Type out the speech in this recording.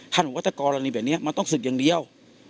ท่านบิวัตตกรอะไรแบบนี้มาต้องศึกอย่างเดียว